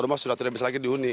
rumah sudah tidak bisa lagi dihuni